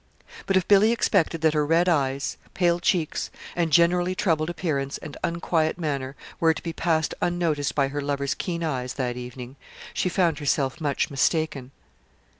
But if Billy expected that her red eyes, pale cheeks, and generally troubled appearance and unquiet manner were to be passed unnoticed by her lover's keen eyes that evening, she found herself much mistaken.